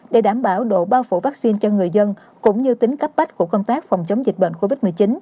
để đảm bảo độ bao phủ vaccine cho người dân cũng như tính cấp bách của công tác phòng chống dịch bệnh covid một mươi chín